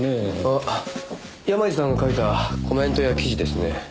あっ山路さんが書いたコメントや記事ですね。